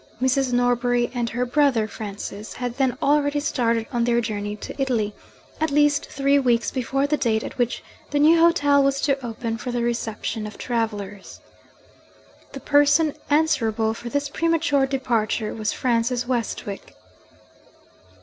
Mrs. Norbury and her brother Francis had then already started on their journey to Italy at least three weeks before the date at which the new hotel was to open for the reception of travellers. The person answerable for this premature departure was Francis Westwick.